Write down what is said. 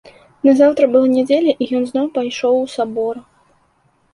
Назаўтра была нядзеля, і ён зноў пайшоў у сабор.